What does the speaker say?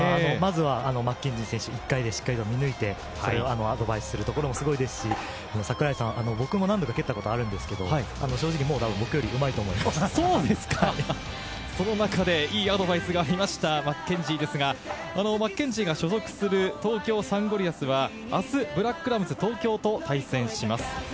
まずはマッケンジー選手、１回でしっかり見抜いてアドバイスするところもすごいですし、櫻井さん、僕も何度か蹴ったことがあるんですが、正直、僕よりうその中でいいアドバイスがありましたマッケンジーですがマッケンジーが所属する東京サンゴリアスは、明日ブラックラムズ東京と対戦します。